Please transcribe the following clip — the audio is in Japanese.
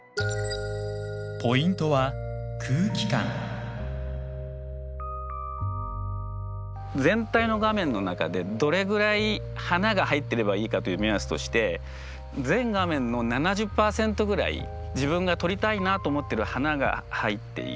ポイントは全体の画面の中でどれぐらい花が入ってればいいかという目安として全画面の７０％ぐらい自分が撮りたいなと思ってる花が入っている。